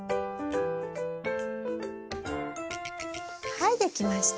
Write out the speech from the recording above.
はいできました。